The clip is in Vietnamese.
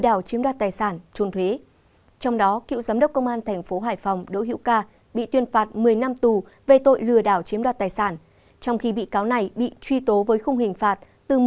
tại sao bị cáo đỗ hiệu ca lại được hưởng mức án dưới không nghịch phạt